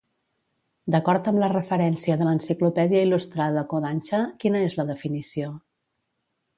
D'acord amb la referència de l'Enciclopèdia Il·lustrada Kodansha, quina és la definició?